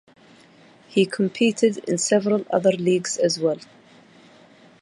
He competed in several other leagues as well.